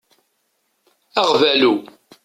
Aɣbalu.